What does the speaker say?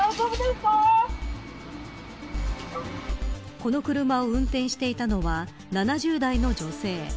この車を運転していたのは７０代の女性。